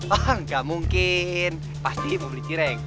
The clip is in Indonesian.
enggak mungkin pasti mau beli cireng